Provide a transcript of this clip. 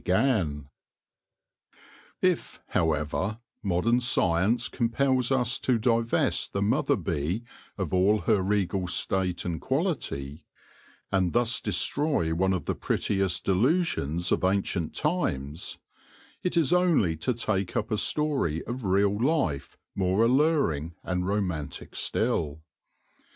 C2 4 8 THE LORE OF THE HONEY BEE If, however, modern science compels us to divest the mother bee of all her regal state and quality, and thus destroy one of the prettiest delusions of ancient times, it is only to take up a story of real life more alluring and romantic still.